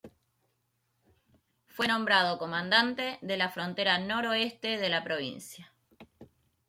Fue nombrado comandante de la frontera noroeste de la provincia.